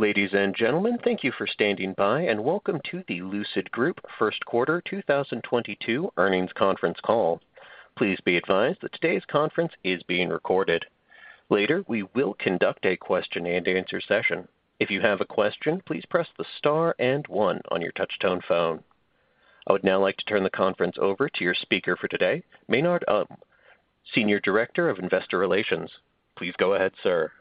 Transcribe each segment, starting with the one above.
Ladies and gentlemen, thank you for standing by, and welcome to the Lucid Group First Quarter 2022 Earnings Conference Call. Please be advised that today's conference is being recorded. Later, we will conduct a Q&A session. If you have a question, please press the star and one on your touchtone phone. I would now like to turn the conference over to your speaker for today, Maynard Um, Senior Director of Investor Relations. Please go ahead, sir.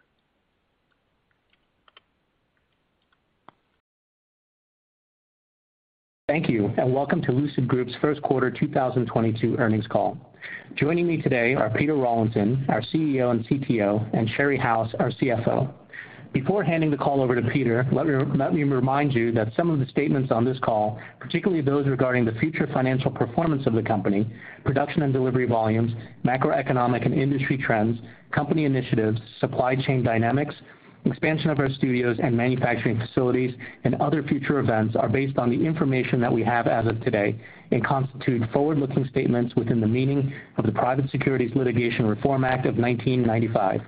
Thank you, and welcome to Lucid Group's First Quarter 2022 Earnings Call. Joining me today are Peter Rawlinson, our CEO and CTO, and Sherry House, our CFO. Before handing the call over to Peter, let me remind you that some of the statements on this call, particularly those regarding the future financial performance of the company, production and delivery volumes, macroeconomic and industry trends, company initiatives, supply chain dynamics, expansion of our studios and manufacturing facilities, and other future events, are based on the information that we have as of today and constitute forward-looking statements within the meaning of the Private Securities Litigation Reform Act of 1995.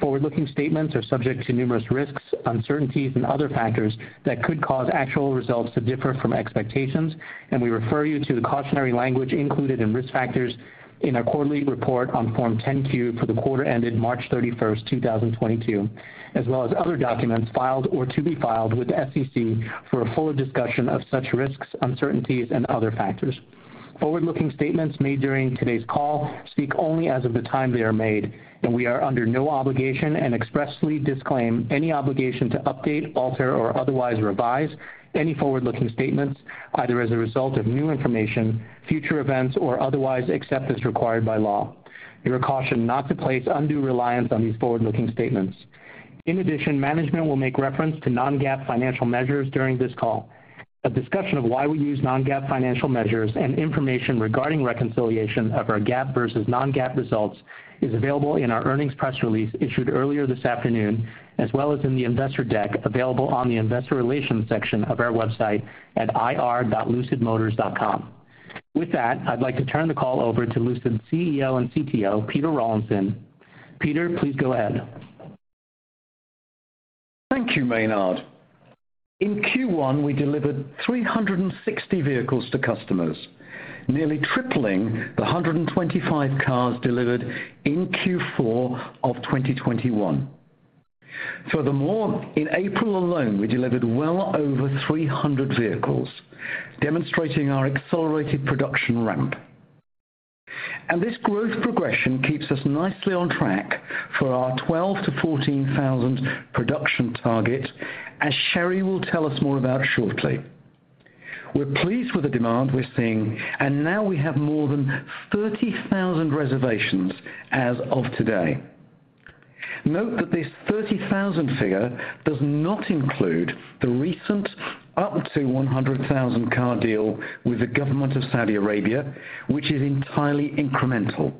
Forward-looking statements are subject to numerous risks, uncertainties, and other factors that could cause actual results to differ from expectations, and we refer you to the cautionary language included in risk factors in our quarterly report on Form 10-Q for the quarter ended March 31st, 2022, as well as other documents filed or to be filed with the SEC for a full discussion of such risks, uncertainties, and other factors. Forward-looking statements made during today's call speak only as of the time they are made, and we are under no obligation and expressly disclaim any obligation to update, alter, or otherwise revise any forward-looking statements, either as a result of new information, future events, or otherwise, except as required by law. You are cautioned not to place undue reliance on these forward-looking statements. In addition, management will make reference to non-GAAP financial measures during this call. A discussion of why we use non-GAAP financial measures and information regarding reconciliation of our GAAP versus non-GAAP results is available in our earnings press release issued earlier this afternoon, as well as in the investor deck available on the Investor Relations section of our website at ir.lucidmotors.com. With that, I'd like to turn the call over to Lucid's CEO and CTO, Peter Rawlinson. Peter, please go ahead. Thank you, Maynard. In Q1, we delivered 360 vehicles to customers, nearly tripling the 125 cars delivered in Q4 of 2021. Furthermore, in April alone, we delivered well over 300 vehicles, demonstrating our accelerated production ramp. This growth progression keeps us nicely on track for our 12,000-14,000 production target, as Sherry will tell us more about shortly. We're pleased with the demand we're seeing, and now we have more than 30,000 reservations as of today. Note that this 30,000 figure does not include the recent up to 100,000 car deal with the government of Saudi Arabia, which is entirely incremental.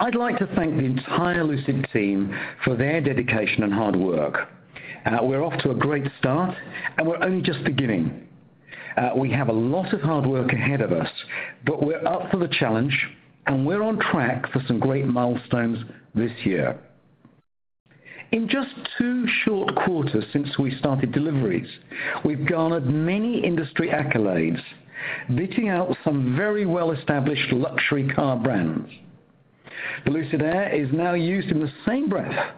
I'd like to thank the entire Lucid team for their dedication and hard work. We're off to a great start, and we're only just beginning. We have a lot of hard work ahead of us, but we're up for the challenge, and we're on track for some great milestones this year. In just two short quarters since we started deliveries, we've garnered many industry accolades, beating out some very well-established luxury car brands. The Lucid Air is now used in the same breath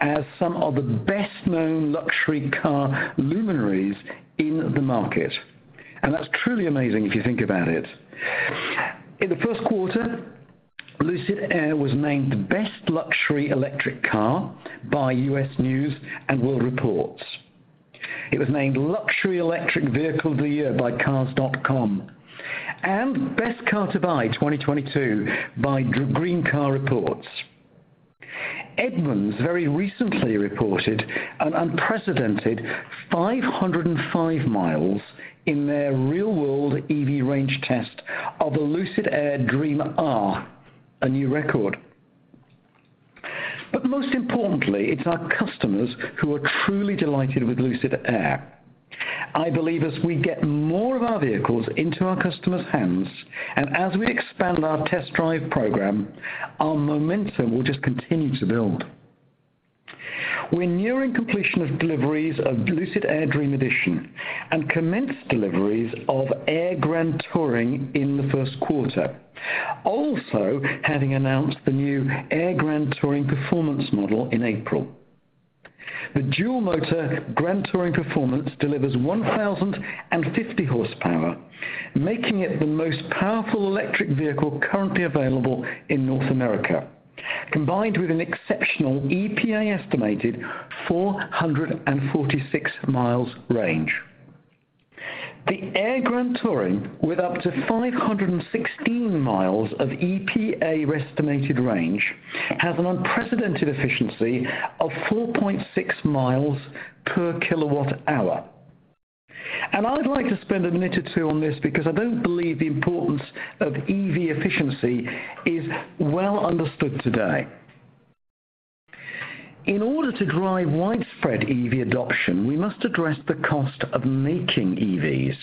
as some of the best-known luxury car luminaries in the market, and that's truly amazing if you think about it. In the first quarter, Lucid Air was named the best luxury electric car by U.S. News & World Report. It was named Luxury Electric Vehicle of the Year by Cars.com and Best Car to Buy 2022 by Green Car Reports. Edmunds very recently reported an unprecedented 505 mi in their real-world EV range test of the Lucid Air Dream R, a new record. Most importantly, it's our customers who are truly delighted with Lucid Air. I believe as we get more of our vehicles into our customers' hands, and as we expand our test drive program, our momentum will just continue to build. We're nearing completion of deliveries of Lucid Air Dream Edition and commenced deliveries of Air Grand Touring in the first quarter. Also, having announced the new Air Grand Touring Performance model in April. The dual-motor Grand Touring Performance delivers 1,050 hp, making it the most powerful electric vehicle currently available in North America, combined with an exceptional EPA-estimated 446 mi range. The Air Grand Touring, with up to 516 mi of EPA-estimated range, has an unprecedented efficiency of 4.6 mi per kWh. I'd like to spend a minute or two on this because I don't believe the importance of EV efficiency is well understood today. In order to drive widespread EV adoption, we must address the cost of making EVs.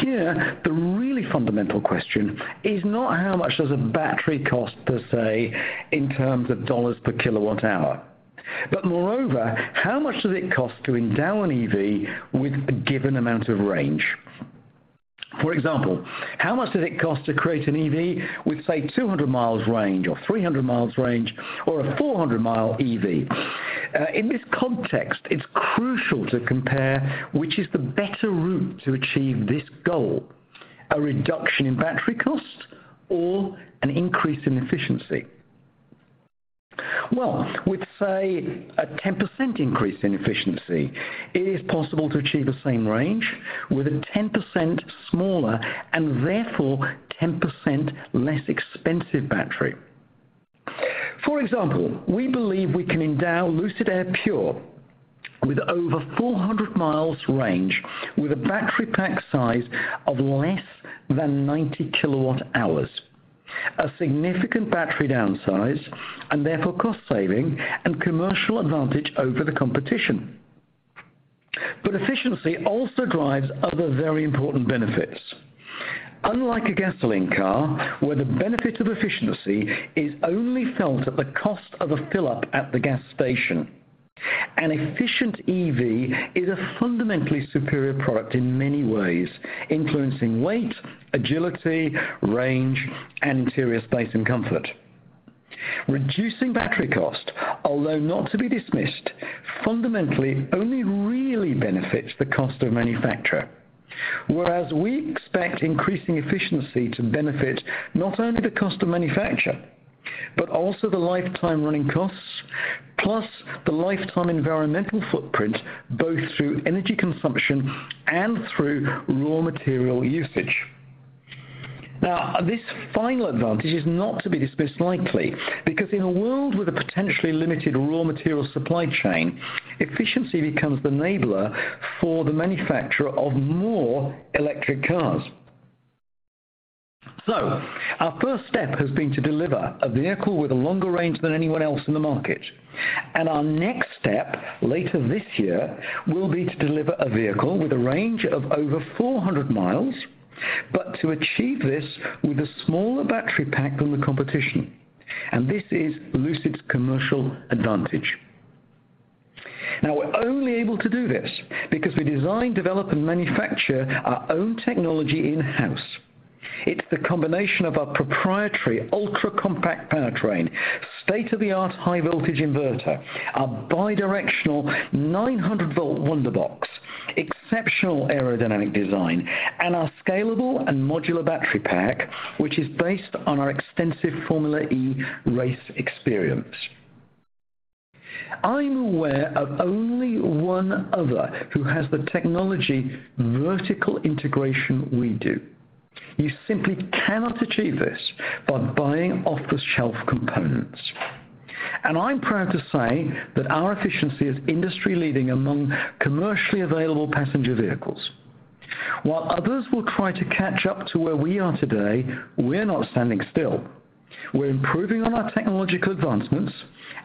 Here, the really fundamental question is not how much does a battery cost per se in terms of $ per kWh. Moreover, how much does it cost to endow an EV with a given amount of range? For example, how much does it cost to create an EV with say 200 mi range or 300 mi range or a 400 mi EV? In this context, it's crucial to compare which is the better route to achieve this goal, a reduction in battery cost or an increase in efficiency. Well, with say a 10% increase in efficiency, it is possible to achieve the same range with a 10% smaller and therefore 10% less expensive battery. For example, we believe we can endow Lucid Air Pure with over 400 mi range with a battery pack size of less than 90 kWh. A significant battery downsize and therefore cost saving and commercial advantage over the competition. Efficiency also drives other very important benefits. Unlike a gasoline car, where the benefit of efficiency is only felt at the cost of a fill-up at the gas station, an efficient EV is a fundamentally superior product in many ways, influencing weight, agility, range, and interior space and comfort. Reducing battery cost, although not to be dismissed, fundamentally only really benefits the cost of manufacture. Whereas we expect increasing efficiency to benefit not only the cost of manufacture, but also the lifetime running costs, plus the lifetime environmental footprint, both through energy consumption and through raw material usage. Now, this final advantage is not to be dismissed lightly because in a world with a potentially limited raw material supply chain, efficiency becomes the enabler for the manufacturer of more electric cars. Our first step has been to deliver a vehicle with a longer range than anyone else in the market. Our next step later this year will be to deliver a vehicle with a range of over 400 mi. To achieve this with a smaller battery pack than the competition. This is Lucid's commercial advantage. Now, we're only able to do this because we design, develop, and manufacture our own technology in-house. It's the combination of our proprietary ultra compact powertrain, state-of-the-art high voltage inverter, our bi-directional 900-volt Wunderbox, exceptional aerodynamic design, and our scalable and modular battery pack, which is based on our extensive Formula E race experience. I'm aware of only one other who has the technology vertical integration we do. You simply cannot achieve this by buying off-the-shelf components. I'm proud to say that our efficiency is industry-leading among commercially available passenger vehicles. While others will try to catch up to where we are today, we're not standing still. We're improving on our technological advancements,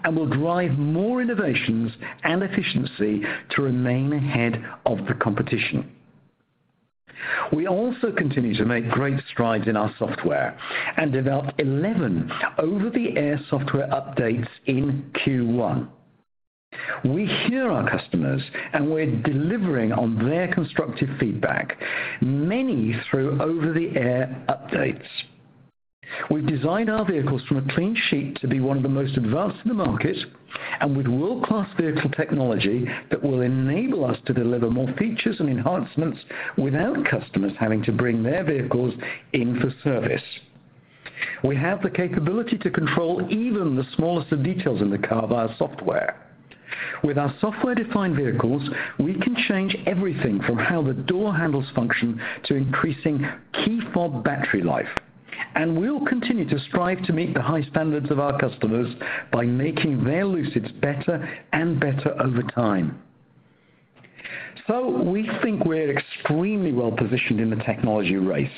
and we'll drive more innovations and efficiency to remain ahead of the competition. We also continue to make great strides in our software and developed 11 over-the-air software updates in Q1. We hear our customers, and we're delivering on their constructive feedback, many through over-the-air updates. We've designed our vehicles from a clean sheet to be one of the most advanced in the market and with world-class vehicle technology that will enable us to deliver more features and enhancements without customers having to bring their vehicles in for service. We have the capability to control even the smallest of details in the car via software. With our software-defined vehicles, we can change everything from how the door handles function to increasing key fob battery life. We'll continue to strive to meet the high standards of our customers by making their Lucids better and better over time. We think we're extremely well-positioned in the technology race,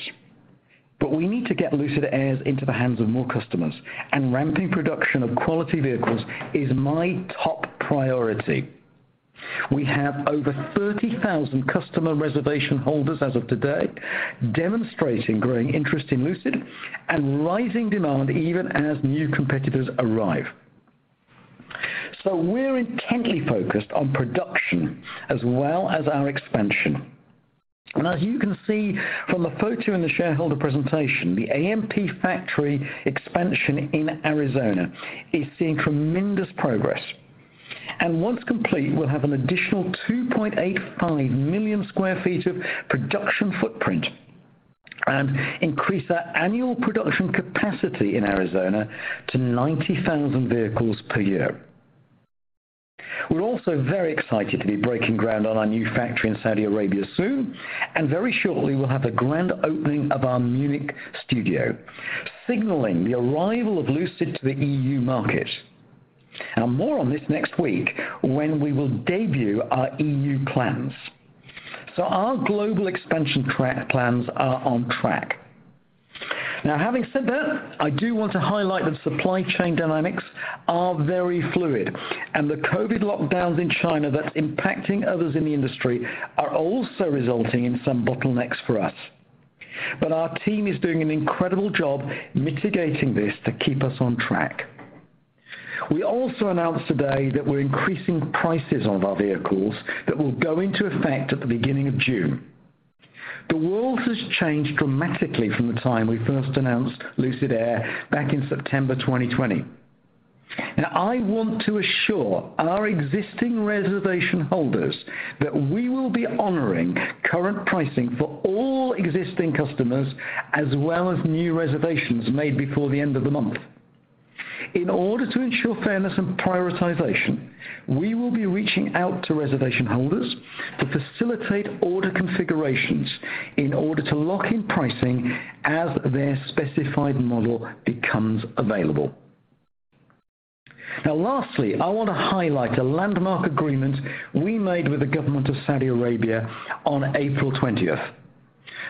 but we need to get Lucid Airs into the hands of more customers, and ramping production of quality vehicles is my top priority. We have over 30,000 customer reservation holders as of today, demonstrating growing interest in Lucid and rising demand even as new competitors arrive. We're intently focused on production as well as our expansion. As you can see from the photo in the shareholder presentation, the AMP factory expansion in Arizona is seeing tremendous progress. Once complete, we'll have an additional 2.85 million sq ft of production footprint and increase our annual production capacity in Arizona to 90,000 vehicles per year. We're also very excited to be breaking ground on our new factory in Saudi Arabia soon, and very shortly, we'll have the grand opening of our Munich studio, signaling the arrival of Lucid to the E.U. market. Now more on this next week when we will debut our E.U. plans. Our global expansion plans are on track. Now, having said that, I do want to highlight that supply chain dynamics are very fluid, and the COVID lockdowns in China that's impacting others in the industry are also resulting in some bottlenecks for us. Our team is doing an incredible job mitigating this to keep us on track. We also announced today that we're increasing prices on our vehicles that will go into effect at the beginning of June. The world has changed dramatically from the time we first announced Lucid Air back in September 2020. I want to assure our existing reservation holders that we will be honoring current pricing for all existing customers as well as new reservations made before the end of the month. In order to ensure fairness and prioritization, we will be reaching out to reservation holders to facilitate order configurations in order to lock in pricing as their specified model becomes available. Now, lastly, I wanna highlight a landmark agreement we made with the government of Saudi Arabia on April twentieth.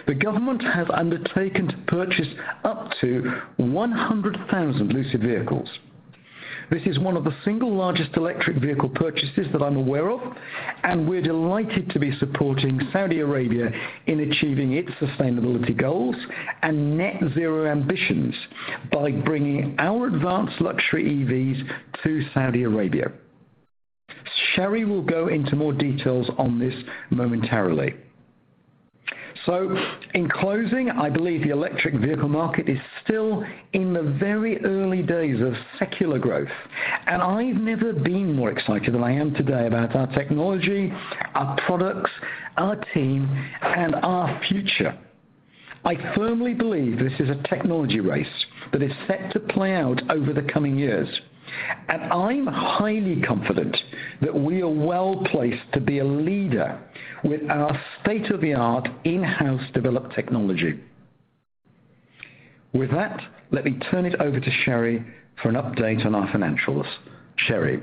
The government has undertaken to purchase up to 100,000 Lucid vehicles. This is one of the single largest electric vehicle purchases that I'm aware of, and we're delighted to be supporting Saudi Arabia in achieving its sustainability goals and net-zero ambitions by bringing our advanced luxury EVs to Saudi Arabia. Sherry House will go into more details on this momentarily. In closing, I believe the electric vehicle market is still in the very early days of secular growth, and I've never been more excited than I am today about our technology, our products, our team, and our future. I firmly believe this is a technology race that is set to play out over the coming years, and I'm highly confident that we are well-placed to be a leader with our state-of-the-art in-house developed technology. With that, let me turn it over to Sherry for an update on our financials. Sherry.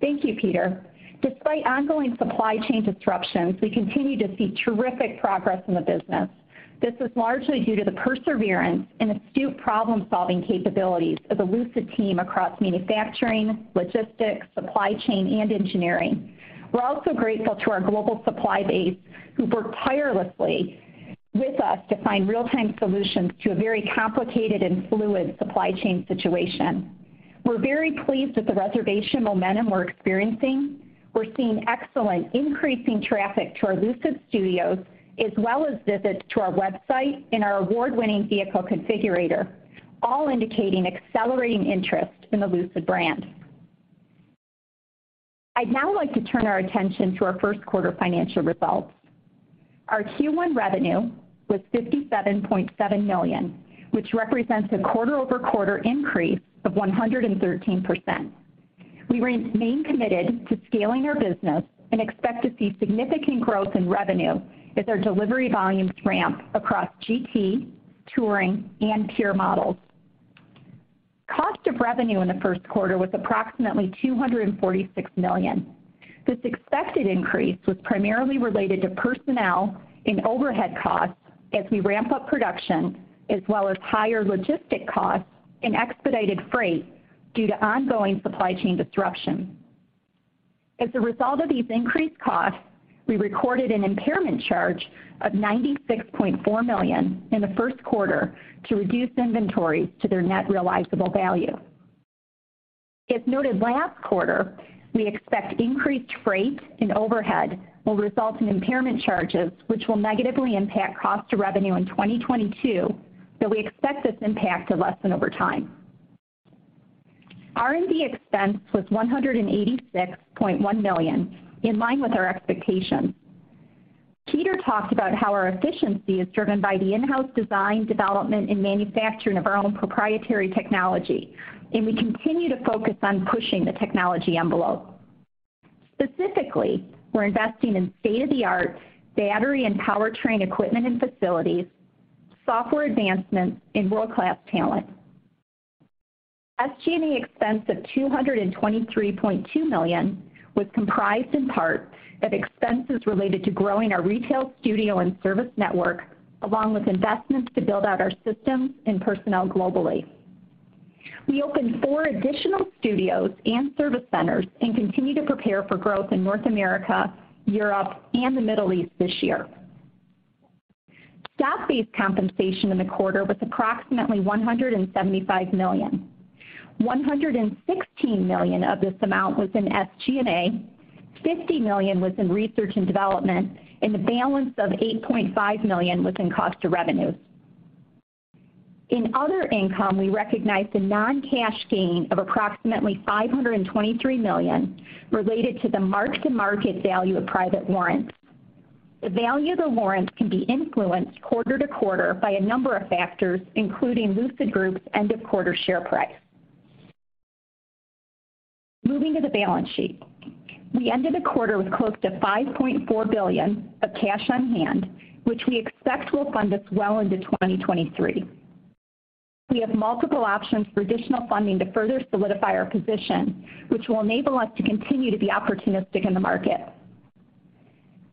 Thank you, Peter. Despite ongoing supply chain disruptions, we continue to see terrific progress in the business. This is largely due to the perseverance and astute problem-solving capabilities of the Lucid team across manufacturing, logistics, supply chain, and engineering. We're also grateful to our global supply base, who work tirelessly with us to find real-time solutions to a very complicated and fluid supply chain situation. We're very pleased with the reservation momentum we're experiencing. We're seeing excellent increasing traffic to our Lucid studios, as well as visits to our website and our award-winning vehicle configurator, all indicating accelerating interest in the Lucid brand. I'd now like to turn our attention to our first quarter financial results. Our Q1 revenue was $57.7 million, which represents a quarter-over-quarter increase of 113%. We remain committed to scaling our business and expect to see significant growth in revenue as our delivery volumes ramp across GT, Touring, and Pure models. Cost of revenue in the first quarter was approximately $246 million. This expected increase was primarily related to personnel and overhead costs as we ramp up production, as well as higher logistic costs and expedited freight due to ongoing supply chain disruptions. As a result of these increased costs, we recorded an impairment charge of $96.4 million in the first quarter to reduce inventory to their net realizable value. As noted last quarter, we expect increased freight and overhead will result in impairment charges, which will negatively impact cost to revenue in 2022, though we expect this impact to lessen over time. R&D expense was $186.1 million, in line with our expectations. Peter talked about how our efficiency is driven by the in-house design, development, and manufacturing of our own proprietary technology, and we continue to focus on pushing the technology envelope. Specifically, we're investing in state-of-the-art battery and powertrain equipment and facilities, software advancements, and world-class talent. SG&A expense of $223.2 million was comprised in part of expenses related to growing our retail studio and service network, along with investments to build out our systems and personnel globally. We opened four additional studios and service centers and continue to prepare for growth in North America, Europe, and the Middle East this year. Stock-based compensation in the quarter was approximately $175 million. $116 million of this amount was in SG&A, $50 million was in research and development, and the balance of $8.5 million was in cost of revenue. In other income, we recognized a non-cash gain of approximately $523 million related to the mark-to-market value of private warrants. The value of the warrants can be influenced quarter to quarter by a number of factors, including Lucid Group's end-of-quarter share price. Moving to the balance sheet. We ended the quarter with close to $5.4 billion of cash on-hand, which we expect will fund us well into 2023. We have multiple options for additional funding to further solidify our position, which will enable us to continue to be opportunistic in the market.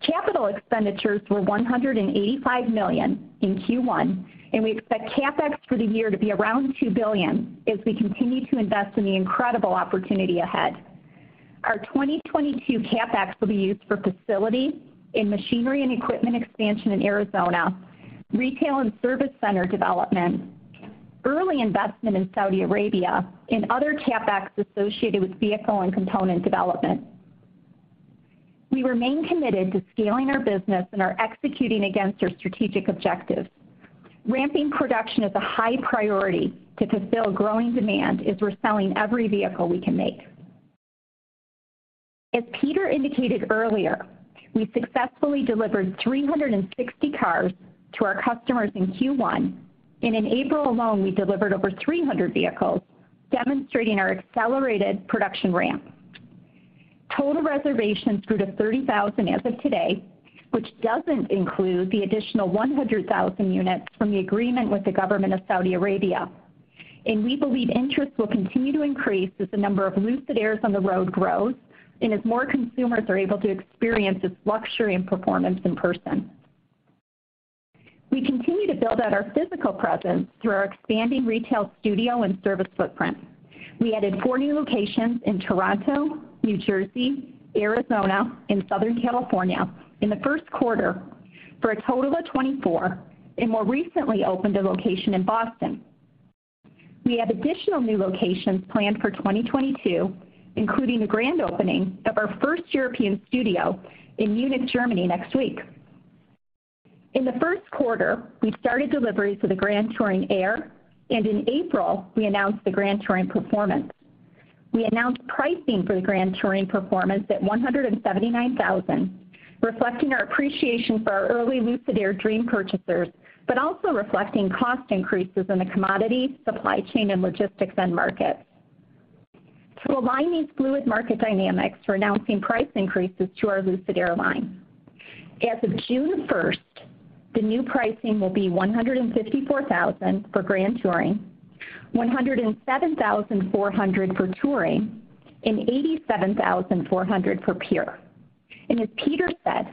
Capital expenditures were $185 million in Q1, and we expect CapEx for the year to be around $2 billion as we continue to invest in the incredible opportunity ahead. Our 2022 CapEx will be used for facility and machinery and equipment expansion in Arizona, retail and service center development, early investment in Saudi Arabia, and other CapEx associated with vehicle and component development. We remain committed to scaling our business and are executing against our strategic objectives. Ramping production is a high priority to fulfill growing demand as we're selling every vehicle we can make. As Peter indicated earlier, we successfully delivered 360 cars to our customers in Q1, and in April alone, we delivered over 300 vehicles, demonstrating our accelerated production ramp. Total reservations grew to 30,000 as of today, which doesn't include the additional 100,000 units from the agreement with the government of Saudi Arabia. We believe interest will continue to increase as the number of Lucid Airs on the road grows and as more consumers are able to experience this luxury and performance in person. We continue to build out our physical presence through our expanding retail studio and service footprint. We added four new locations in Toronto, New Jersey, Arizona, and Southern California in the first quarter for a total of 24, and more recently opened a location in Boston. We have additional new locations planned for 2022, including the grand opening of our first European studio in Munich, Germany, next week. In the first quarter, we started delivery for the Grand Touring Air, and in April, we announced the Grand Touring Performance. We announced pricing for the Grand Touring Performance at $179,000, reflecting our appreciation for our early Lucid Air Dream purchasers, but also reflecting cost increases in the commodity, supply chain, and logistics end markets. To align these fluid market dynamics, we're announcing price increases to our Lucid Air line. As of June 1st, the new pricing will be $154,000 for Grand Touring, $107,400 for Touring, and $87,400 for Pure. As Peter said,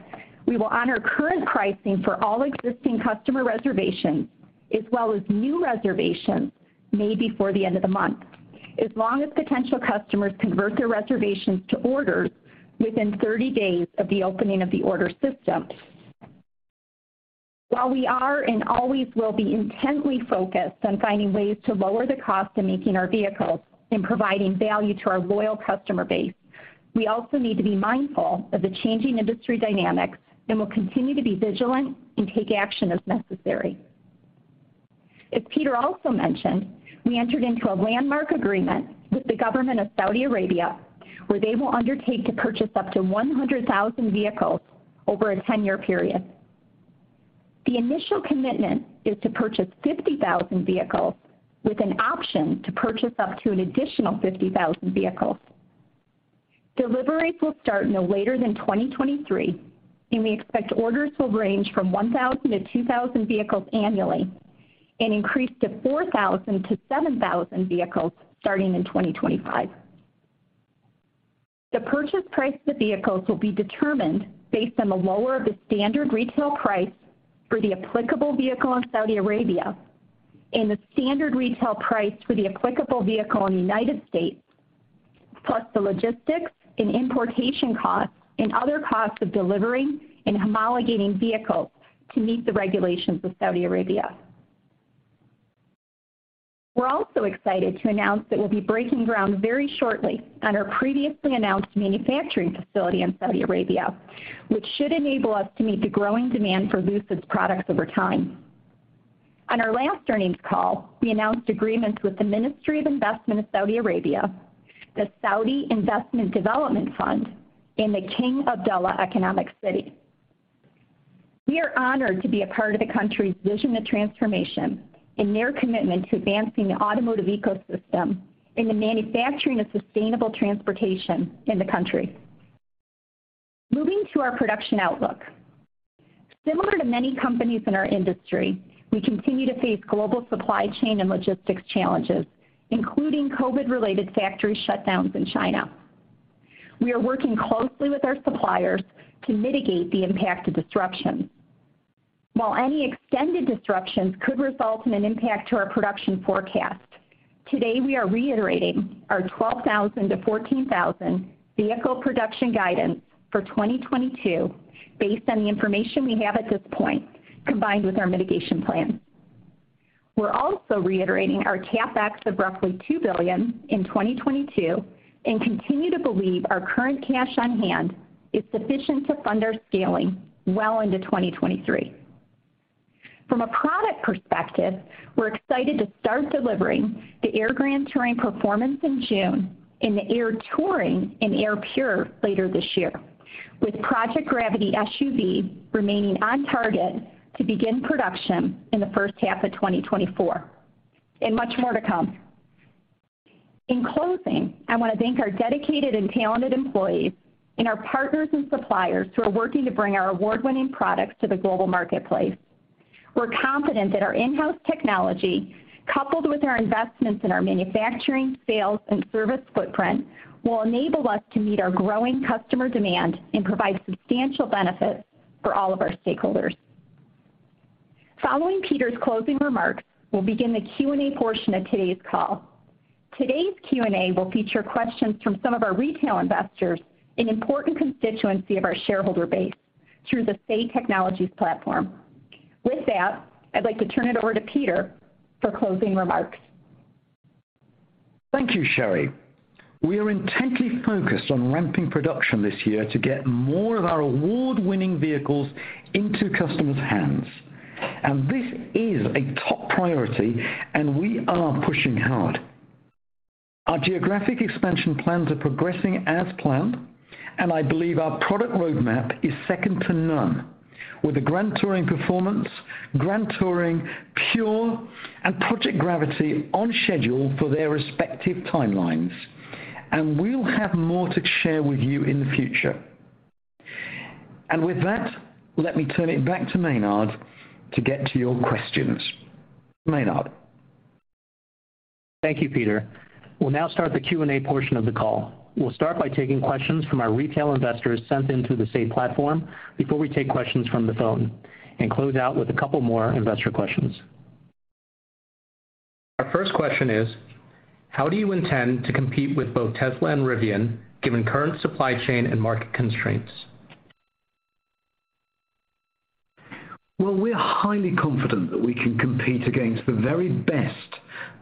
we will honor current pricing for all existing customer reservations as well as new reservations made before the end of the month, as long as potential customers convert their reservations to orders within 30 days of the opening of the order system. While we are and always will be intently focused on finding ways to lower the cost of making our vehicles and providing value to our loyal customer base, we also need to be mindful of the changing industry dynamics, and we'll continue to be vigilant and take action as necessary. As Peter also mentioned, we entered into a landmark agreement with the government of Saudi Arabia, where they will undertake to purchase up to 100,000 vehicles over a 10-year period. The initial commitment is to purchase 50,000 vehicles with an option to purchase up to an additional 50,000 vehicles. Deliveries will start no later than 2023, and we expect orders will range from 1,000-2,000 vehicles annually and increase to 4,000-7,000 vehicles starting in 2025. The purchase price of the vehicles will be determined based on the lower of the standard retail price for the applicable vehicle in Saudi Arabia and the standard retail price for the applicable vehicle in the United States, plus the logistics and importation costs and other costs of delivering and homologating vehicles to meet the regulations of Saudi Arabia. We're also excited to announce that we'll be breaking ground very shortly on our previously announced manufacturing facility in Saudi Arabia, which should enable us to meet the growing demand for Lucid's products over time. On our last earnings call, we announced agreements with the Ministry of Investment of Saudi Arabia, the Saudi Industrial Development Fund, and the King Abdullah Economic City. We are honored to be a part of the country's vision of transformation and their commitment to advancing the automotive ecosystem and the manufacturing of sustainable transportation in the country. Moving to our production outlook. Similar to many companies in our industry, we continue to face global supply chain and logistics challenges, including COVID-related factory shutdowns in China. We are working closely with our suppliers to mitigate the impact of disruptions. While any extended disruptions could result in an impact to our production forecast, today, we are reiterating our 12,000-14,000 vehicle production guidance for 2022 based on the information we have at this point, combined with our mitigation plan. We're also reiterating our CapEx of roughly $2 billion in 2022 and continue to believe our current cash on hand is sufficient to fund our scaling well into 2023. From a product perspective, we're excited to start delivering the Air Grand Touring Performance in June and the Air Touring and Air Pure later this year, with Project Gravity SUV remaining on target to begin production in the first half of 2024, and much more to come. In closing, I want to thank our dedicated and talented employees and our partners and suppliers who are working to bring our award-winning products to the global marketplace. We're confident that our in-house technology, coupled with our investments in our manufacturing, sales, and service footprint, will enable us to meet our growing customer demand and provide substantial benefits for all of our stakeholders. Following Peter's closing remarks, we'll begin the Q&A portion of today's call. Today's Q&A will feature questions from some of our retail investors, an important constituency of our shareholder base through the Say Technologies platform. With that, I'd like to turn it over to Peter for closing remarks. Thank you, Sherry. We are intently focused on ramping production this year to get more of our award-winning vehicles into customers' hands. This is a top priority, and we are pushing hard. Our geographic expansion plans are progressing as planned, and I believe our product roadmap is second to none, with the Grand Touring Performance, Grand Touring Pure, and Project Gravity on schedule for their respective timelines. We'll have more to share with you in the future. With that, let me turn it back to Maynard. Maynard. Thank you, Peter. We'll now start the Q&A portion of the call. We'll start by taking questions from our retail investors sent in through the SAY platform before we take questions from the phone and close out with a couple more investor questions. Our first question is: How do you intend to compete with both Tesla and Rivian given current supply chain and market constraints? Well, we're highly confident that we can compete against the very best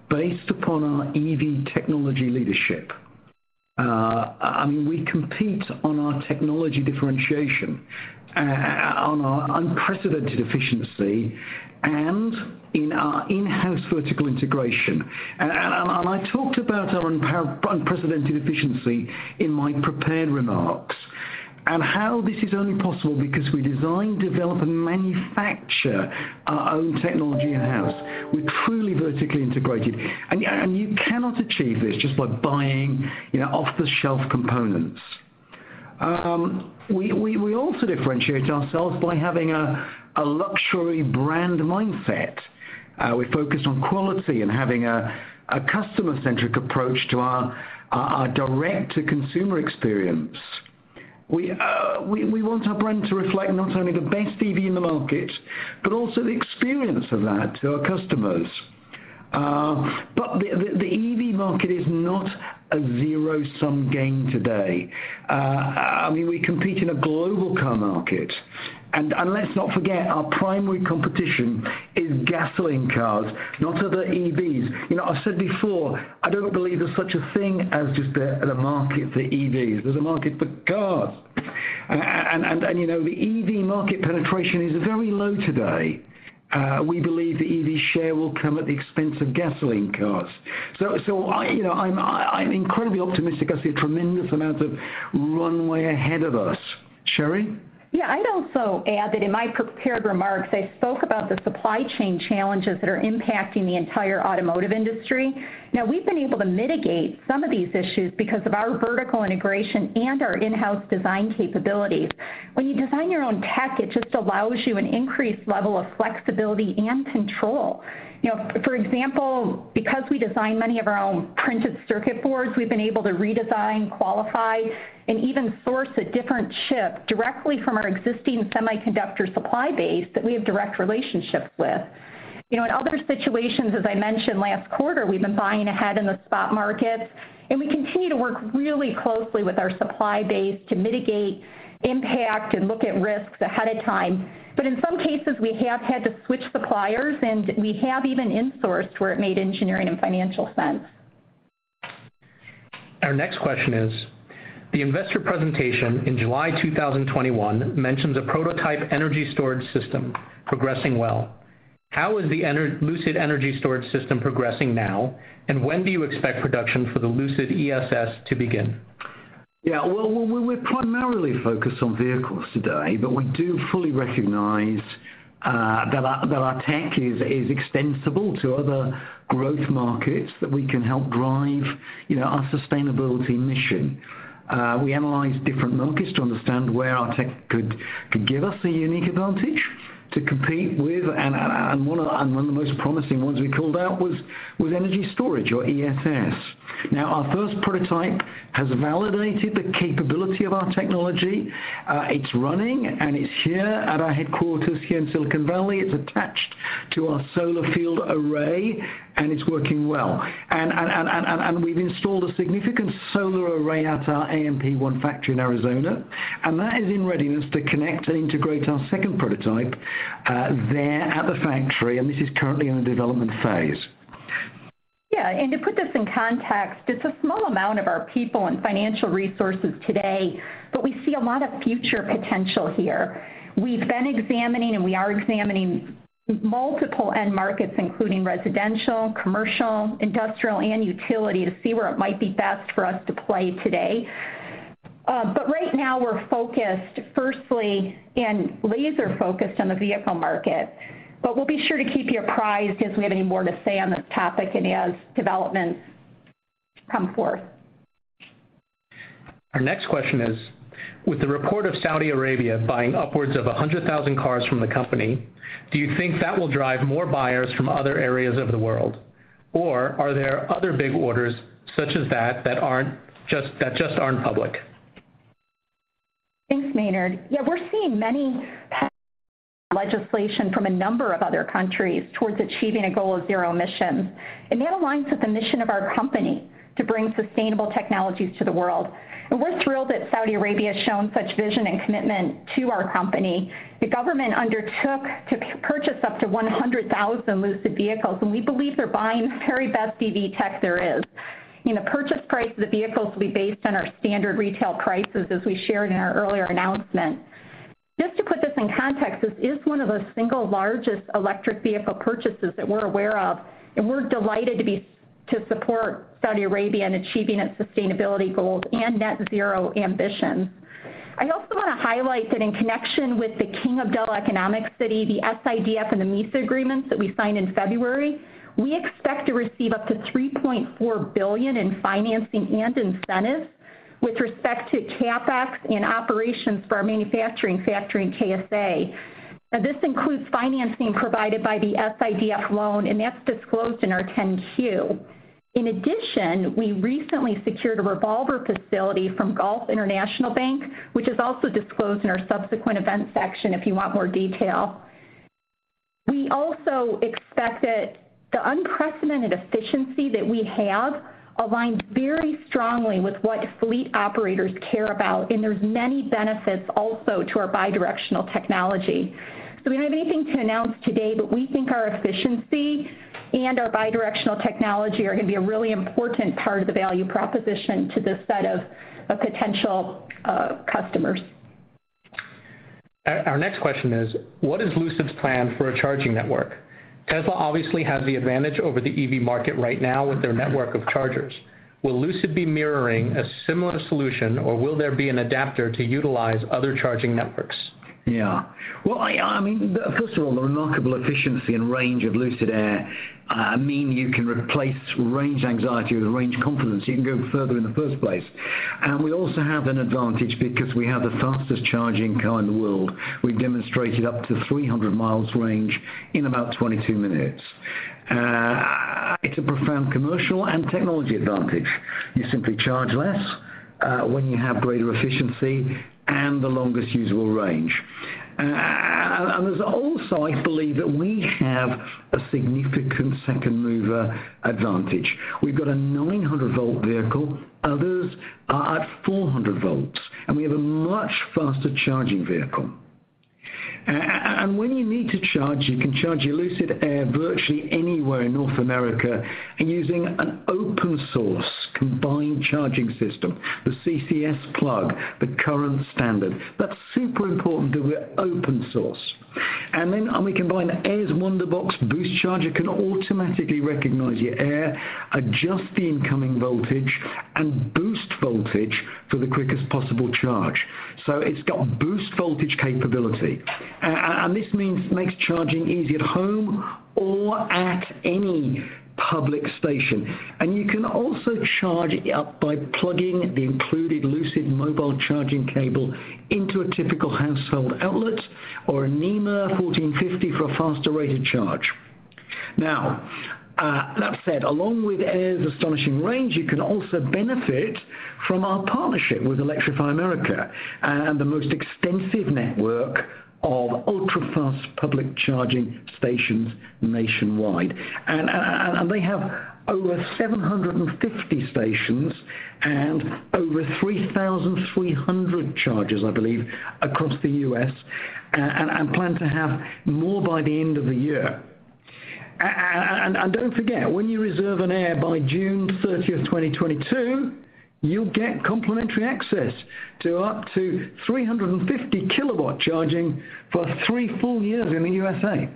based upon our EV technology leadership. I mean, we compete on our technology differentiation, on our unprecedented efficiency and in our in-house vertical integration. I talked about our unprecedented efficiency in my prepared remarks and how this is only possible because we design, develop, and manufacture our own technology in-house. We're truly vertically integrated, and you cannot achieve this just by buying, you know, off-the-shelf components. We also differentiate ourselves by having a luxury brand mindset. We focus on quality and having a customer-centric approach to our direct-to-consumer experience. We want our brand to reflect not only the best EV in the market, but also the experience of that to our customers. The EV market is not a zero-sum game today. I mean, we compete in a global car market, and let's not forget, our primary competition is gasoline cars, not other EVs. You know, I've said before, I don't believe there's such a thing as just a market for EVs. There's a market for cars. You know, the EV market penetration is very low today. We believe the EV share will come at the expense of gasoline cars. You know, I'm incredibly optimistic. I see a tremendous amount of runway ahead of us. Sherry? Yeah. I'd also add that in my prepared remarks, I spoke about the supply chain challenges that are impacting the entire automotive industry. Now, we've been able to mitigate some of these issues because of our vertical integration and our in-house design capabilities. When you design your own tech, it just allows you an increased level of flexibility and control. You know, for example, because we design many of our own printed circuit boards, we've been able to redesign, qualify, and even source a different chip directly from our existing semiconductor supply base that we have direct relationships with. You know, in other situations, as I mentioned last quarter, we've been buying ahead in the spot markets, and we continue to work really closely with our supply base to mitigate impact and look at risks ahead of time. In some cases, we have had to switch suppliers, and we have even in-sourced where it made engineering and financial sense. Our next question is: The investor presentation in July 2021 mentions a prototype energy storage system progressing well. How is the Lucid energy storage system progressing now, and when do you expect production for the Lucid ESS to begin? Yeah. Well, we're primarily focused on vehicles today, but we do fully recognize that our tech is extensible to other growth markets that we can help drive, you know, our sustainability mission. We analyze different markets to understand where our tech could give us a unique advantage to compete with. One of the most promising ones we called out was energy storage or ESS. Now, our first prototype has validated the capability of our technology. It's running, and it's here at our headquarters here in Silicon Valley. It's attached to our solar field array, and it's working well. We've installed a significant solar array at our AMP1 factory in Arizona, and that is in readiness to connect and integrate our second prototype there at the factory, and this is currently in the development phase. Yeah. To put this in context, it's a small amount of our people and financial resources today, but we see a lot of future potential here. We've been examining, and we are examining multiple end markets, including residential, commercial, industrial, and utility, to see where it might be best for us to play today. Right now we're focused firstly and laser-focused on the vehicle market. We'll be sure to keep you apprised if we have any more to say on this topic and as developments come forth. Our next question is: With the report of Saudi Arabia buying upwards of 100,000 cars from the company, do you think that will drive more buyers from other areas of the world? Or are there other big orders such as that that just aren't public? Thanks, Maynard. Yeah, we're seeing many legislation from a number of other countries towards achieving a goal of zero emissions. That aligns with the mission of our company to bring sustainable technologies to the world. We're thrilled that Saudi Arabia has shown such vision and commitment to our company. The government undertook to purchase up to 100,000 Lucid vehicles, and we believe they're buying the very best EV tech there is. You know, purchase price of the vehicles will be based on our standard retail prices, as we shared in our earlier announcement. Just to put this in context, this is one of the single largest electric vehicle purchases that we're aware of, and we're delighted to support Saudi Arabia in achieving its sustainability goals and net-zero ambitions. I also wanna highlight that in connection with the King Abdullah Economic City, the SIDF, and the MISA agreements that we signed in February, we expect to receive up to $3.4 billion in financing and incentives with respect to CapEx and operations for our manufacturing factory in KSA. Now, this includes financing provided by the SIDF loan, and that's disclosed in our 10-Q. In addition, we recently secured a revolver facility from Gulf International Bank, which is also disclosed in our subsequent event section if you want more detail. We also expect that the unprecedented efficiency that we have aligns very strongly with what fleet operators care about, and there's many benefits also to our bidirectional technology. We don't have anything to announce today, but we think our efficiency and our bidirectional technology are gonna be a really important part of the value proposition to this set of potential customers. Our next question is: What is Lucid's plan for a charging network? Tesla obviously has the advantage over the EV market right now with their network of chargers. Will Lucid be mirroring a similar solution, or will there be an adapter to utilize other charging networks? Yeah. Well, I mean, first of all, the remarkable efficiency and range of Lucid Air mean you can replace range anxiety with range confidence. You can go further in the first place. We also have an advantage because we have the fastest charging car in the world. We've demonstrated up to 300 mi range in about 22 minutes. It's a profound commercial and technology advantage. You simply charge less when you have greater efficiency and the longest usable range. There's also, I believe, that we have a significant second-mover advantage. We've got a 900-volt vehicle, others are at 400 volts, and we have a much faster charging vehicle. When you need to charge, you can charge your Lucid Air virtually anywhere in North America using an open source combined charging system, the CCS plug, the current standard. That's super important that we're open source. We combine Air's Wunderbox boost charger can automatically recognize your Air, adjust the incoming voltage, and boost voltage for the quickest possible charge. It's got boost voltage capability. Makes charging easy at home or at any public station. You can also charge it up by plugging the included Lucid mobile charging cable into a typical household outlet or a NEMA 14-50 for a faster rated charge. Now, that said, along with Air's astonishing range, you can also benefit from our partnership with Electrify America and the most extensive network of ultra-fast public charging stations nationwide. They have over 750 stations and over 3,300 chargers, I believe, across the U.S., and plan to have more by the end of the year. Don't forget, when you reserve an Air by June 13th, 2022, you'll get complimentary access to up to 350-kW charging for three full years in the USA.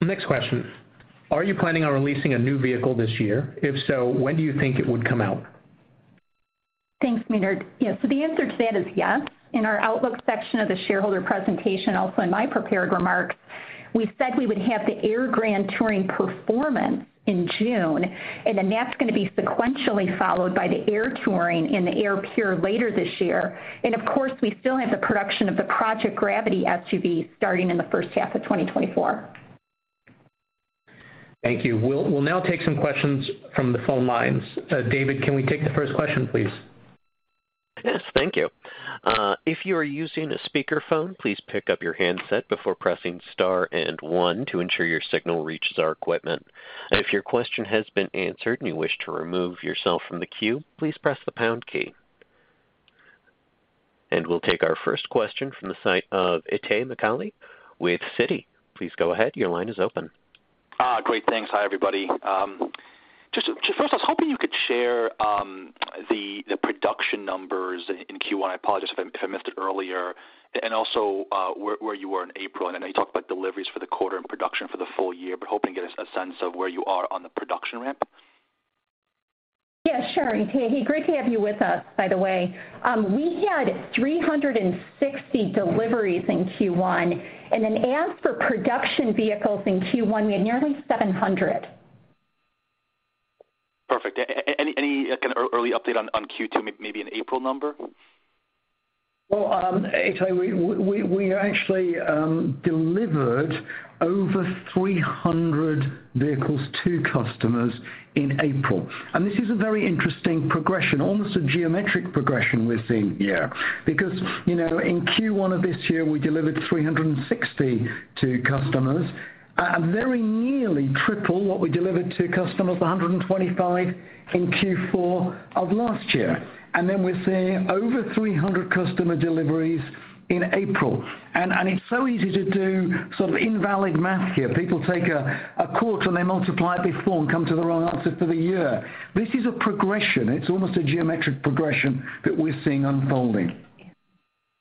The next question: Are you planning on releasing a new vehicle this year? If so, when do you think it would come out? Thanks, Maynard. Yeah, so the answer to that is yes. In our outlook section of the shareholder presentation, also in my prepared remarks, we said we would have the Air Grand Touring Performance in June, and then that's gonna be sequentially followed by the Air Touring and the Air Pure later this year. Of course, we still have the production of the Project Gravity SUV starting in the first half of 2024. Thank you. We'll now take some questions from the phone lines. David, can we take the first question, please? Yes, thank you. If you are using a speakerphone, please pick up your handset before pressing star and one to ensure your signal reaches our equipment. If your question has been answered and you wish to remove yourself from the queue, please press the pound key. We'll take our first question from the line of Itay Michaeli with Citi. Please go ahead, your line is open. Great, thanks. Hi, everybody. First, I was hoping you could share the production numbers in Q1. I apologize if I missed it earlier. Also, where you were in April. I know you talked about deliveries for the quarter and production for the full year, but hoping to get a sense of where you are on the production ramp. Sure. Itay, great to have you with us, by the way. We had 360 deliveries in Q1, and then as for production vehicles in Q1, we had nearly 700. Perfect. Any kind of early update on Q2, maybe an April number? Well, Itay, we actually delivered over 300 vehicles to customers in April. This is a very interesting progression, almost a geometric progression we're seeing here. Because, you know, in Q1 of this year, we delivered 360 to customers, very nearly triple what we delivered to customers, 125, in Q4 of last year. We're seeing over 300 customer deliveries in April. It's so easy to do sort of invalid math here. People take a quarter and they multiply it before and come to the wrong answer for the year. This is a progression. It's almost a geometric progression that we're seeing unfolding.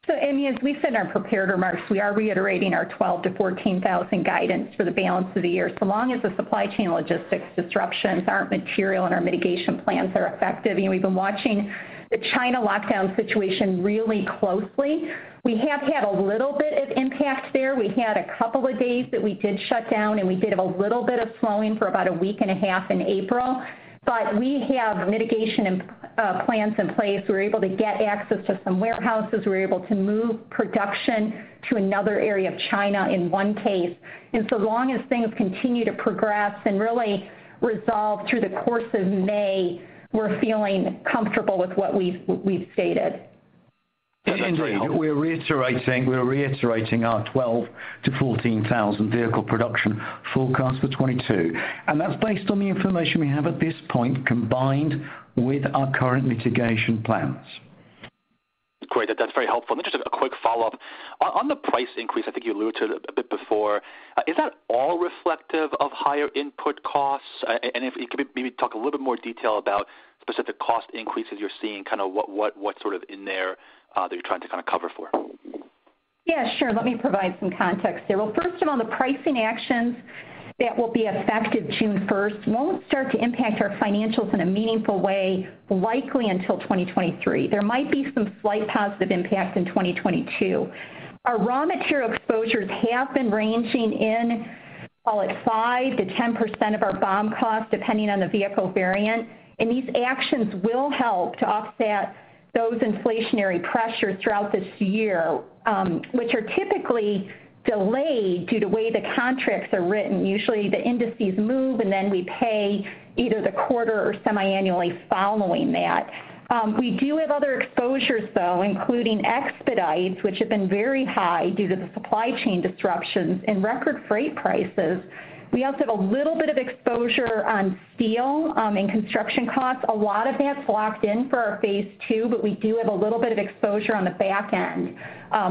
as we said in our prepared remarks, we are reiterating our 12,000-14,000 guidance for the balance of the year, so long as the supply chain logistics disruptions aren't material and our mitigation plans are effective. You know, we've been watching the China lockdown situation really closely. We have had a little bit of impact there. We had a couple of days that we did shut down, and we did have a little bit of slowing for about a week and a half in April. But we have mitigation and plans in place. We're able to get access to some warehouses. We're able to move production to another area of China in one case. And so long as things continue to progress and really resolve through the course of May, we're feeling comfortable with what we've stated. Now Indeed, we're reiterating our 12,000-14,000 vehicle production forecast for 2022, and that's based on the information we have at this point, combined with our current mitigation plans. Great. That's very helpful. Just a quick follow-up. On the price increase, I think you alluded to it a bit before, is that all reflective of higher input costs? And if you could maybe talk a little bit more in detail about specific cost increases you're seeing, kinda what's sort of in there, that you're trying to kinda cover for? Yeah, sure. Let me provide some context there. Well, first of all, the pricing actions that will be effective June first won't start to impact our financials in a meaningful way likely until 2023. There might be some slight positive impacts in 2022. Our raw material exposures have been ranging in, call it 5%-10% of our BOM cost, depending on the vehicle variant, and these actions will help to offset those inflationary pressures throughout this year, which are typically delayed due to the way the contracts are written. Usually, the indices move, and then we pay either the quarter or semiannually following that. We do have other exposures, though, including expedites, which have been very high due to the supply chain disruptions and record freight prices. We also have a little bit of exposure on steel, and construction costs. A lot of that's locked in for our phase II, but we do have a little bit of exposure on the back end,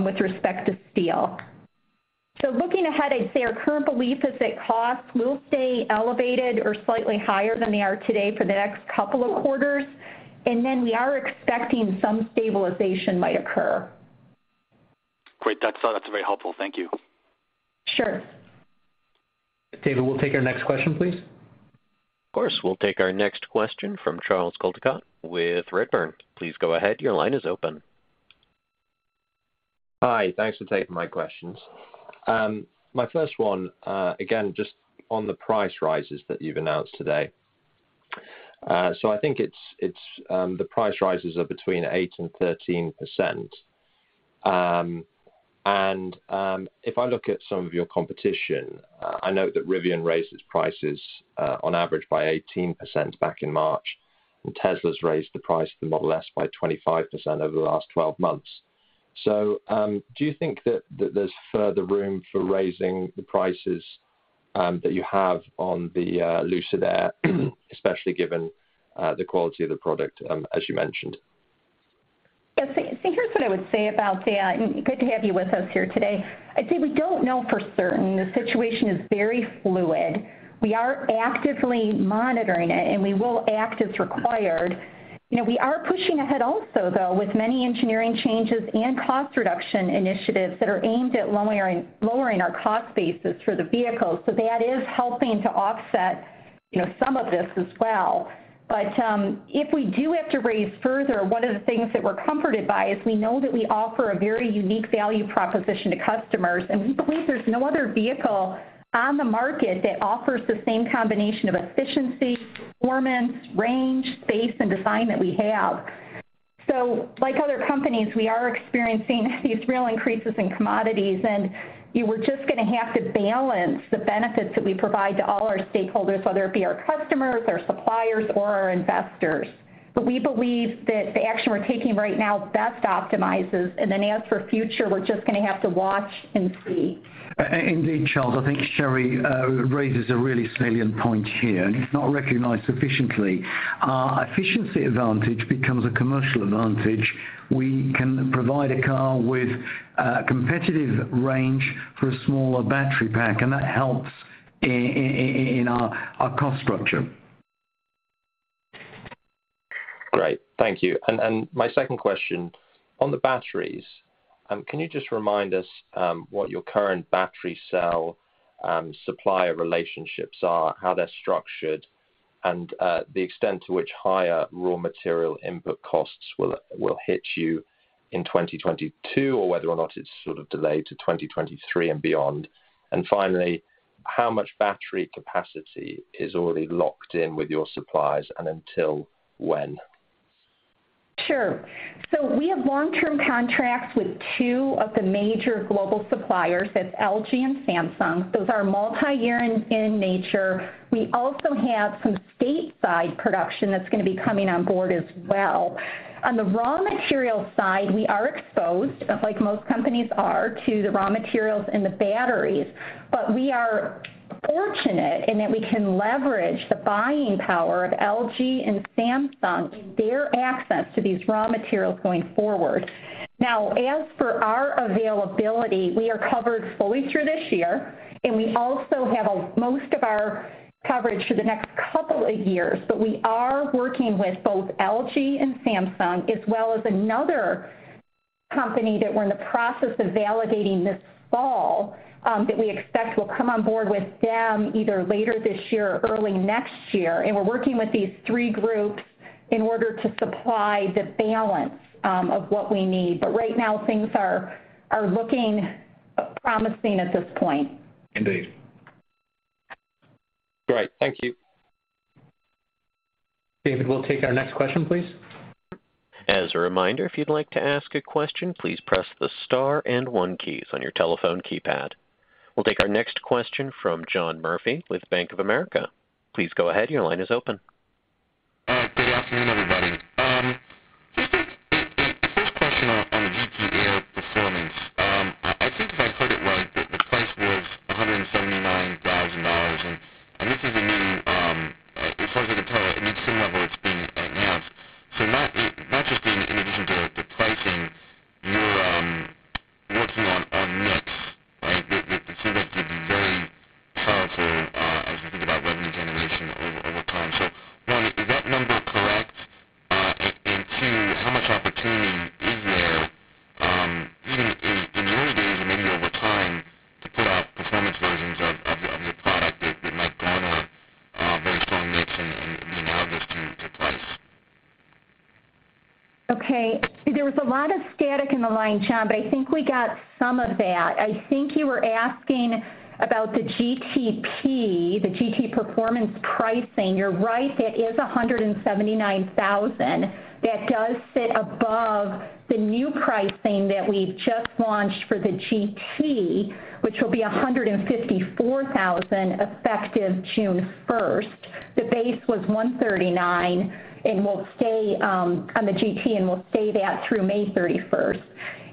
with respect to steel. Looking ahead, I'd say our current belief is that costs will stay elevated or slightly higher than they are today for the next couple of quarters, and then we are expecting some stabilization might occur. Great. That's very helpful. Thank you. Sure. David, we'll take our next question, please. Of course. We'll take our next question from Charles Coldicott with Redburn. Please go ahead. Your line is open. Hi. Thanks for taking my questions. My first one, again, just on the price rises that you've announced today. I think it's the price rises are between 8% and 13%. If I look at some of your competition, I know that Rivian raised its prices, on average by 18% back in March, and Tesla's raised the price of the Model S by 25% over the last 12 months. Do you think that there's further room for raising the prices that you have on the Lucid Air, especially given the quality of the product, as you mentioned? Yes. Here's what I would say about that, and good to have you with us here today. I'd say we don't know for certain. The situation is very fluid. We are actively monitoring it, and we will act as required. You know, we are pushing ahead also, though, with many engineering changes and cost reduction initiatives that are aimed at lowering our cost basis for the vehicles, so that is helping to offset, you know, some of this as well. But if we do have to raise further, one of the things that we're comforted by is we know that we offer a very unique value proposition to customers, and we believe there's no other vehicle on the market that offers the same combination of efficiency, performance, range, space, and design that we have. Like other companies, we are experiencing these real increases in commodities, and, you know, we're just gonna have to balance the benefits that we provide to all our stakeholders, whether it be our customers, our suppliers, or our investors. We believe that the action we're taking right now best optimizes. As for future, we're just gonna have to watch and see. Indeed, Charles, I think Sherry raises a really salient point here, and it's not recognized sufficiently. Our efficiency advantage becomes a commercial advantage. We can provide a car with a competitive range for a smaller battery pack, and that helps in our cost structure. Great. Thank you. My second question, on the batteries, can you just remind us, what your current battery cell supplier relationships are, how they're structured, and the extent to which higher raw material input costs will hit you in 2022 or whether or not it's sort of delayed to 2023 and beyond. Finally, how much battery capacity is already locked in with your suppliers and until when? Sure. We have long-term contracts with two of the major global suppliers, that's LG and Samsung. Those are multi-year in nature. We also have some stateside production that's gonna be coming on board as well. On the raw material side, we are exposed, like most companies are, to the raw materials and the batteries. We are fortunate in that we can leverage the buying power of LG and Samsung and their access to these raw materials going forward. Now, as for our availability, we are covered fully through this year, and we also have most of our coverage for the next couple of years. We are working with both LG and Samsung, as well as another company that we're in the process of validating this fall, that we expect will come on board with them either later this year or early next year. We're working with these three groups in order to supply the balance of what we need. Right now, things are looking promising at this point. Indeed. Great. Thank you. David, we'll take our next question, please. As a reminder, if you'd like to ask a question, please press the star and one keys on your telephone keypad. We'll take our next question from John Murphy with Bank of America. Please go ahead. Your line is open. Good afternoon, everybody. Just a first question on the Air Grand Touring Performance. I think if I heard it right that the price was $179,000, and this is a new trim level that's being announced, as far as I can tell. Not just in addition to the pricing you're working on mix, right? It seems like could be very powerful as we think about revenue generation over time. One, is that number correct? And two, how much opportunity is there even in the early days and maybe over time to put out performance versions of your product that might drive a very strong mix and be analogous to price? Okay. There was a lot of static in the line, John, but I think we got some of that. I think you were asking about the GTP, the GT performance pricing. You're right, that is $179 thousand. That does sit above the new pricing that we've just launched for the GT, which will be $154 thousand effective June first. The base was $139 thousand, and will stay on the GT, and will stay that through May thirty-first.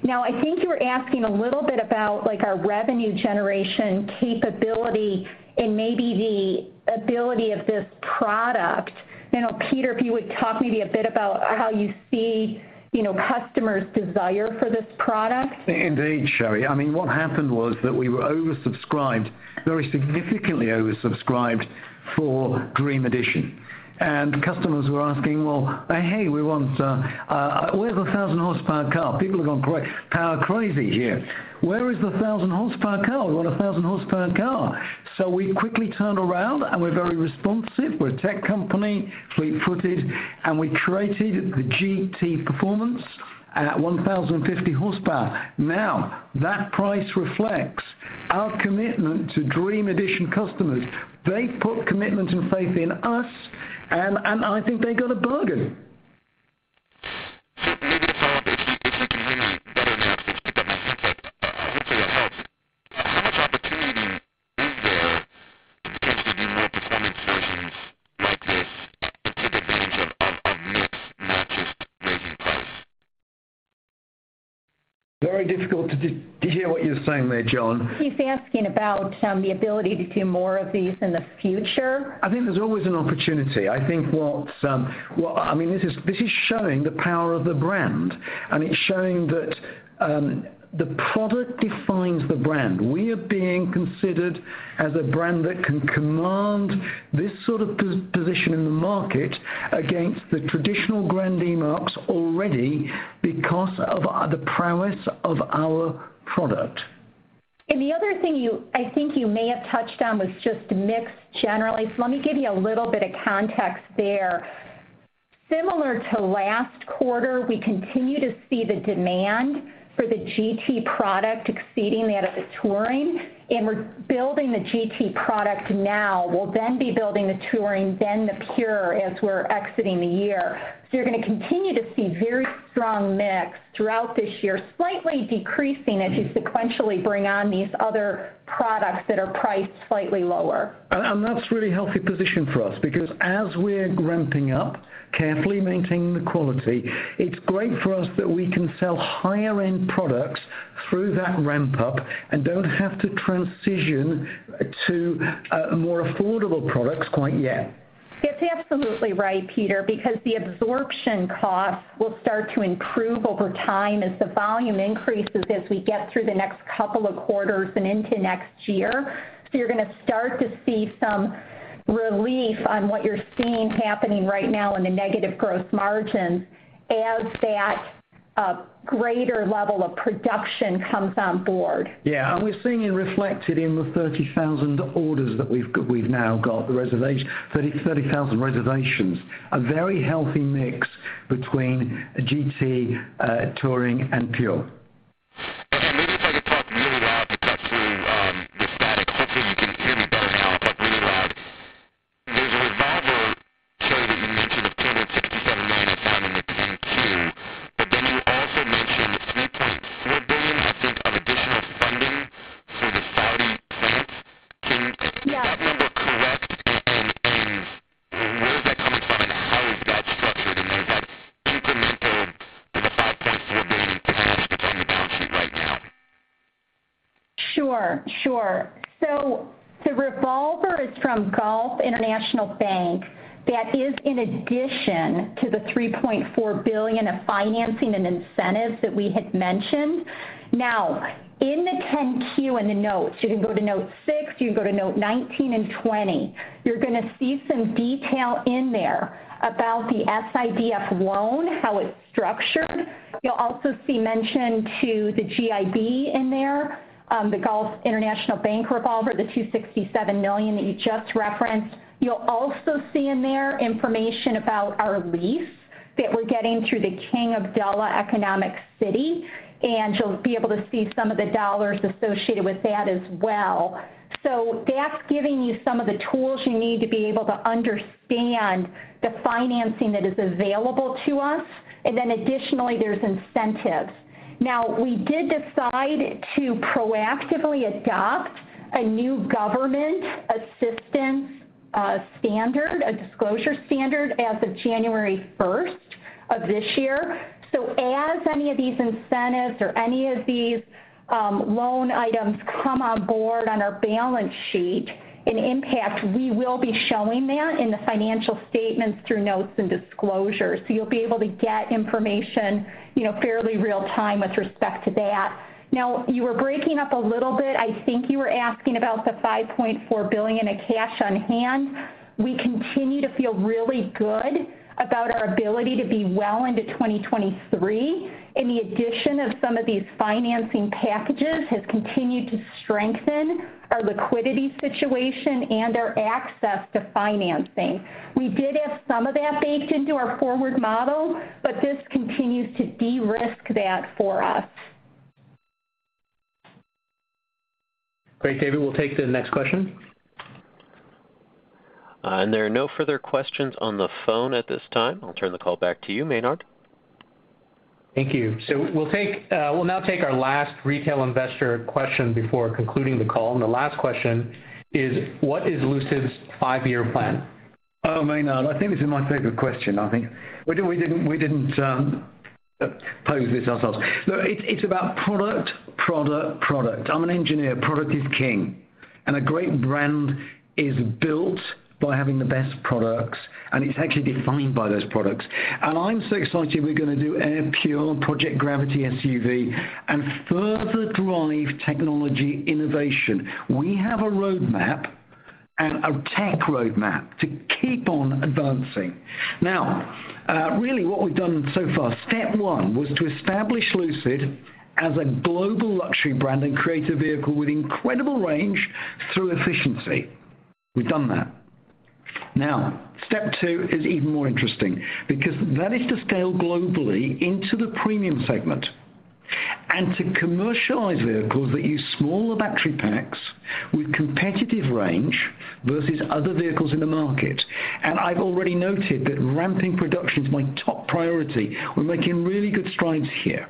Now, I think you were asking a little bit about, like, our revenue generation capability and maybe the ability of this product. You know, Peter, if you would talk maybe a bit about how you see, you know, customers' desire for this product. Indeed, Sherry. I mean, what happened was that we were oversubscribed, very significantly oversubscribed for Dream Edition. Customers were asking, "Well, hey, we want, where's the 1,000 hp car?" People have gone power crazy here. "Where is the 1,000 hp car? We want a 1,000 hp car." We quickly turned around, and we're very responsive. We're a tech company, fleet-footed, and we created the GT performance at 1,050 hp. Now, that price reflects our commitment to Dream Edition customers. They put commitment and faith in us, and I think they got a bargain. Maybe to follow up, if you can hear me better now, so just pick up my feedback. Hopefully that helps. How much opportunity is there to potentially do more performance versions like this and take advantage of mix, not just raising price? Very difficult to hear what you're saying there, John. He's asking about the ability to do more of these in the future. I think there's always an opportunity. I mean, this is showing the power of the brand, and it's showing that the product defines the brand. We are being considered as a brand that can command this sort of position in the market against the traditional grand marques already because of the prowess of our product. The other thing I think you may have touched on was just mix generally. Let me give you a little bit of context there. Similar to last quarter, we continue to see the demand for the GT product exceeding that of the Touring, and we're building the GT product now. We'll then be building the Touring, then the Pure as we're exiting the year. You're gonna continue to see very strong mix throughout this year, slightly decreasing as you sequentially bring on these other products that are priced slightly lower. That's a really healthy position for us because as we're ramping up, carefully maintaining the quality, it's great for us that we can sell higher-end products through that ramp up and don't have to transition to more affordable products quite yet. That's absolutely right, Peter, because the absorption costs will start to improve over time as the volume increases as we get through the next couple of quarters and into next year. You're gonna start to see some relief on what you're seeing happening right now in the negative gross margin as that greater level of production comes on board. Yeah. We're seeing it reflected in the 30,000 orders that we've now got, the reservations. 30,000 reservations. A very healthy mix between GT, touring and Pure. Maybe if I could talk really loud to cut through the static. Hopefully you can hear me better now if I talk really loud. There's a revolver shown that you mentioned of $267 million I found in the 10-Q. Then you also mentioned $3.4 billion I think of additional funding through the Saudi bank. Can- Yeah. Is that number correct and where is that coming from and how is that structured in those incremental, the $5.4 billion cash that's on the balance sheet right now? Sure. The revolver is from Gulf International Bank that is in addition to the $3.4 billion of financing and incentives that we had mentioned. Now, in the 10-Q in the notes, you can go to note 6, you can go to note 19 and 20, you're gonna see some detail in there about the SIDF loan, how it's structured. You'll also see mention to the GIB in there, the Gulf International Bank revolver, the $267 million that you just referenced. You'll also see in there information about our lease that we're getting through the King Abdullah Economic City, and you'll be able to see some of the dollars associated with that as well. That's giving you some of the tools you need to be able to understand the financing that is available to us, and then additionally, there's incentives. Now, we did decide to proactively adopt a new government assistance standard, a disclosure standard as of January first of this year. As any of these incentives or any of these loan items come on board on our balance sheet and impact, we will be showing that in the financial statements through notes and disclosures. You'll be able to get information, you know, fairly real time with respect to that. Now, you were breaking up a little bit. I think you were asking about the $5.4 billion in cash on hand. We continue to feel really good about our ability to be well into 2023, and the addition of some of these financing packages has continued to strengthen our liquidity situation and our access to financing. We did have some of that baked into our forward model, but this continues to de-risk that for us. Great, David. We'll take the next question. There are no further questions on the phone at this time. I'll turn the call back to you, Maynard. Thank you. We'll now take our last retail investor question before concluding the call. The last question is, what is Lucid's five-year plan? Oh, Maynard, I think this is my favorite question, I think. We didn't pose this ourselves. No, it's about product. I'm an engineer. Product is king, and a great brand is built by having the best products, and it's actually defined by those products. I'm so excited we're gonna do Air Pure, Project Gravity SUV and further drive technology innovation. We have a roadmap and a tech roadmap to keep on advancing. Now, really what we've done so far, step one, was to establish Lucid as a global luxury brand and create a vehicle with incredible range through efficiency. We've done that. Now, step two is even more interesting because that is to scale globally into the premium segment and to commercialize vehicles that use smaller battery packs with competitive range versus other vehicles in the market. I've already noted that ramping production is my top priority. We're making really good strides here.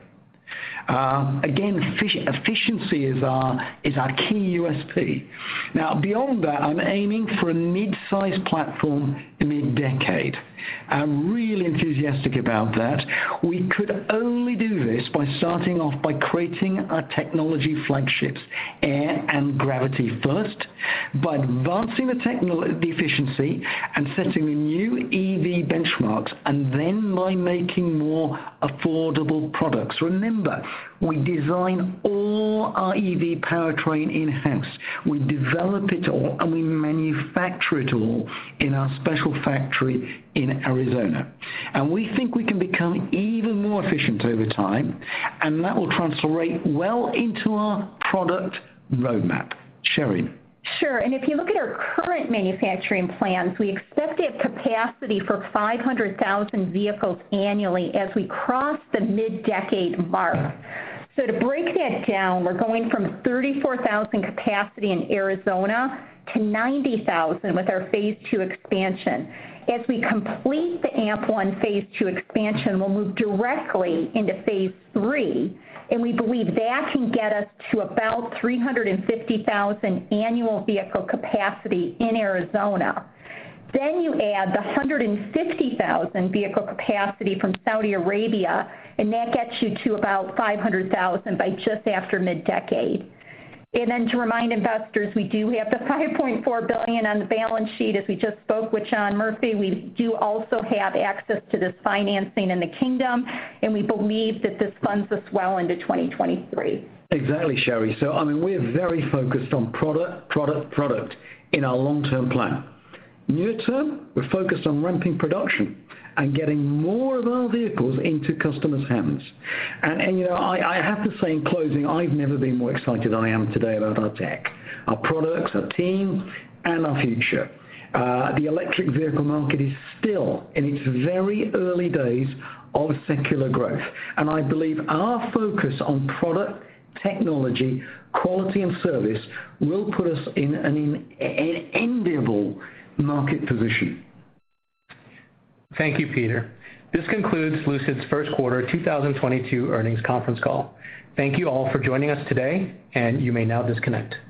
Again, efficiency is our key USP. Now, beyond that, I'm aiming for a midsize platform in mid-decade. I'm really enthusiastic about that. We could only do this by starting off by creating our technology flagships, Air and Gravity first, by advancing the efficiency and setting new EV benchmarks, and then by making more affordable products. Remember, we design all our EV powertrain in-house. We develop it all, and we manufacture it all in our special factory in Arizona. We think we can become even more efficient over time, and that will translate well into our product roadmap. Sherry. Sure. If you look at our current manufacturing plans, we expect to have capacity for 500,000 vehicles annually as we cross the mid-decade mark. To break that down, we're going from 34,000 capacity in Arizona to 90,000 with our phase II expansion. As we complete the AMP One phase II expansion, we'll move directly into phase III, and we believe that can get us to about 350,000 annual vehicle capacity in Arizona. You add the 150,000 vehicle capacity from Saudi Arabia, and that gets you to about 500,000 by just after mid-decade. To remind investors, we do have the $5.4 billion on the balance sheet as we just spoke with John Murphy. We do also have access to this financing in the kingdom, and we believe that this funds us well into 2023. Exactly, Sherry. I mean, we're very focused on product in our long-term plan. Near term, we're focused on ramping production and getting more of our vehicles into customers' hands. You know, I have to say in closing, I've never been more excited than I am today about our tech, our products, our team, and our future. The electric vehicle market is still in its very early days of secular growth, and I believe our focus on product, technology, quality, and service will put us in an enviable market position. Thank you, Peter. This concludes Lucid's first quarter 2022 earnings conference call. Thank you all for joining us today, and you may now disconnect.